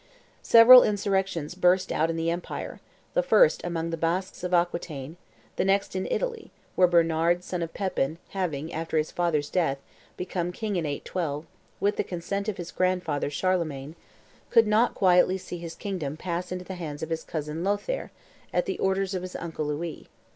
Several insurrections burst out in the empire; the first amongst the Basques of Aquitaine; the next in Italy, where Bernard, son of Pepin, having, after his father's death, become king in 812, with the consent of his grandfather Charlemagne, could not quietly see his kingdom pass into the hands of his cousin Lothaire at the orders of his uncle Louis.